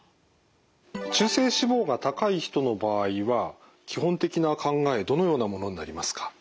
中性脂肪が高い人の場合は基本的な考えどのようなものになりますか？